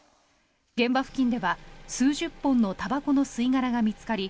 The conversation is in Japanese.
現場付近では数十本のたばこの吸い殻が見つかり